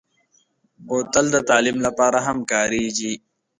بوتل د تعلیم لپاره هم کارېږي.